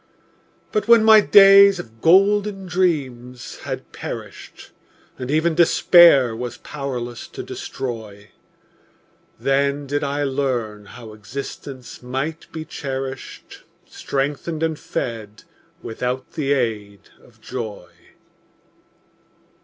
But when my days of golden dreams had perished, And even Despair was powerless to destroy, Then did I learn how existence might be cherished, Strengthened and fed without the aid of joy.